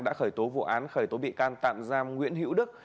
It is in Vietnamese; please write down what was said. đã khởi tố vụ án khởi tố bị can tạm giam nguyễn hữu đức